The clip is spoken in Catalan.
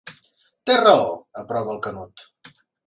Té raó, aprova el Canut.